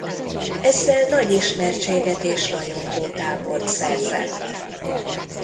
Ezzel nagy ismertséget és rajongótábort szerzett.